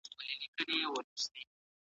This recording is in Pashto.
که درمل سم وکارول شي، عوارض نه ډېرېږي.